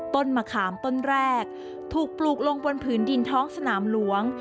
มะขามต้นแรกถูกปลูกลงบนผืนดินท้องสนามหลวง